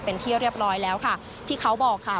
เป็นที่เรียบร้อยแล้วค่ะที่เขาบอกค่ะ